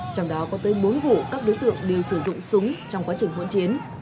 trong đó có tới bốn vụ các đối tượng đều sử dụng súng trong quá trình hỗn chiến